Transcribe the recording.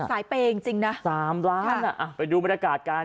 สายเปย์จริงนะ๓ล้านไปดูบรรยากาศการ